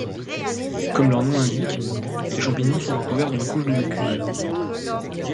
Comme leur nom l'indique, ces champignons sont recouverts d'une couche de mucus.